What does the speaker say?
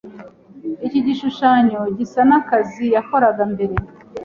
Iki gishushanyo gisa nakazi yakoraga mbere.